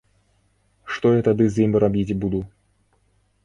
Што я тады з ім рабіць буду.